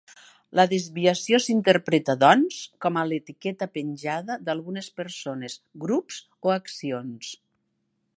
La desviació s'interpreta doncs com a l'etiqueta penjada d'algunes persones, grups o accions.